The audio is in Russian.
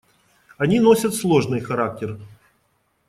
Они носят сложный характер.